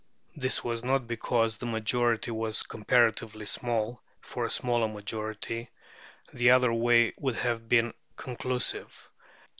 This was not because the majority was comparatively small, for a smaller majority the other way would have been conclusive.